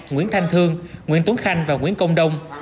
nguyễn thanh thương nguyễn tuấn khanh và nguyễn công đông